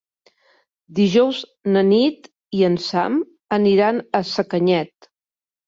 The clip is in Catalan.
Dijous na Nit i en Sam aniran a Sacanyet.